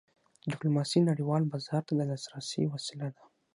ډیپلوماسي نړیوال بازار ته د لاسرسي وسیله ده.